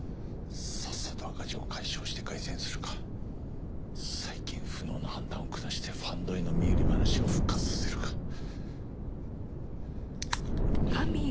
さっさと赤字を解消して凱旋するか再建不能の判断を下してファンドへの身売り話を復活させるか。